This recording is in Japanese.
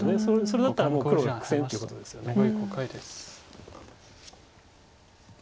それだったらもう黒が苦戦ということですよね。